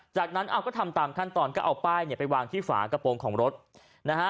จากนั้นเอาก็ทำตามขั้นตอนก็เอาป้ายเนี่ยไปวางที่ฝากระโปรงของรถนะฮะ